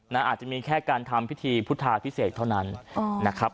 อาจจะมีแค่การทำพิธีพุทธาพิเศษเท่านั้นนะครับ